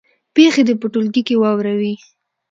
پېښې دې په ټولګي کې واوروي.